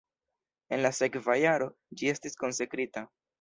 En la sekva jaro ĝi estis konsekrita.